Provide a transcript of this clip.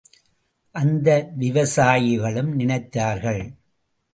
அந்த விவசாயிகளும் நினைத்தார்கள்.